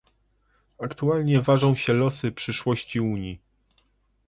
Aktualnie ważą się losy przyszłości Unii